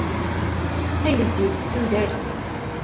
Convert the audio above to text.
Ay wezzilet tudert!